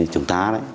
chúng ta ấy